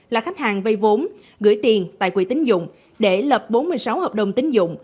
là khách hàng vay vốn gửi tiền tại quỹ tính dụng để lập bốn mươi sáu hợp đồng tính dụng